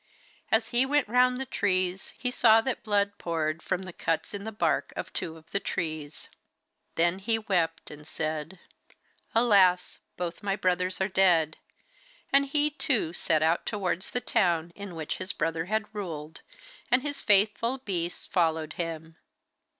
As he went round the trees he saw that blood poured from the cuts in the bark of two of the trees. Then he wept and said: 'Alas! both my brothers are dead.' And he too set out towards the town in which his brother had ruled, and his faithful beasts followed him.